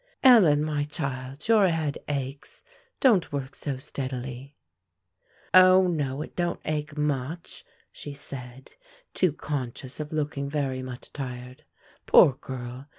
"Ellen, my child, your head aches; don't work so steadily." "O, no, it don't ache much," said she, too conscious of looking very much tired. Poor girl!